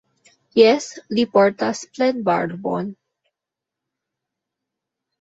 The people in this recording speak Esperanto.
Jes, li portas plenbarbon.